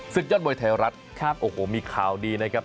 ยอดมวยไทยรัฐโอ้โหมีข่าวดีนะครับ